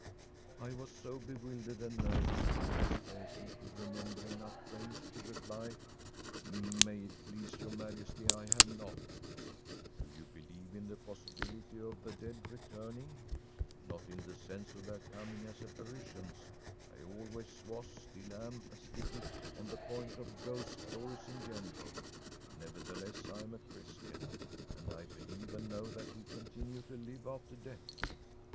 ‚ÄĚ I was so bewildered and nervous that I scarcely could remember enough French to reply: “May it please your Majesty, I have not.‚ÄĚ “Do you believe in the possibility of the dead returning?‚ÄĚ “Not in the sense of their coming as apparitions. I always was, still am, a skeptic on the point of ghost stories in general, nevertheless I am a Christian, and I believe and know that we continue to live after death.